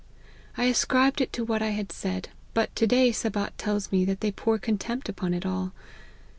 I as cribed it to what I had said ; but to day Sabat tells me that they pour contempt upon it all.